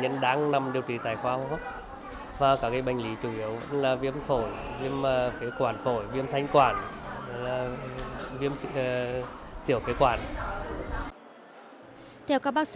hiện đang điều trị nội trú cho một trăm ba mươi bệnh nhân khiến khoa đang trong tình trạng quá tải